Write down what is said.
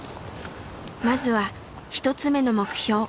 まずは１つ目の目標